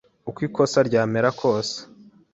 Uko ikosa ryamera kose